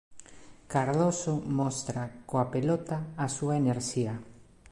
Cardoso mostra coa pelota a súa enerxía.